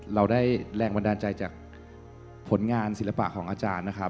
เราได้แรงบันดาลใจจากผลงานศิลปะของอาจารย์นะครับ